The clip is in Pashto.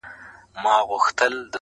ځم ورته را وړم ستوري په لپه كي,